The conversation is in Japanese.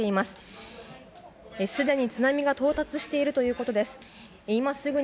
すでに津波が到達しているということです。